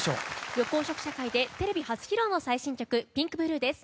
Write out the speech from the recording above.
緑黄色社会でテレビ初披露の最新曲「ピンクブルー」です。